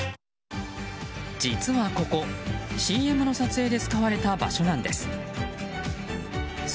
実はここＣＭの撮影で使われた場所なんです。